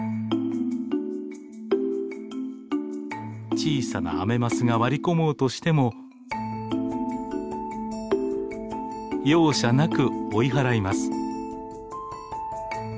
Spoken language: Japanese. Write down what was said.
小さなアメマスが割り込もうとしても容赦なく追い払います。